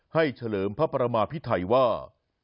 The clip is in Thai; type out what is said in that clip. ให้เฉลิมพระประมาพิทัยว่า